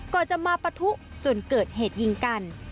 ก่อนจะมาปะทุจนเกิดเหตุยิงกัน